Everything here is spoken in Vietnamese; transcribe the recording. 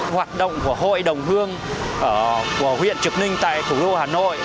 hoạt động của hội đồng hương của huyện trực ninh tại thủ đô hà nội